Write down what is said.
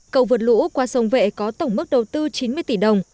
cầu vượt lũ qua sông vệ có tổng mức đầu tư chín mươi tỷ đồng